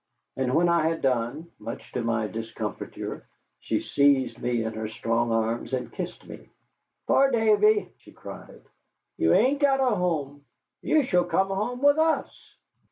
And when I had done, much to my discomfiture, she seized me in her strong arms and kissed me. "Poor Davy," she cried, "you ain't got a home. You shall come home with us."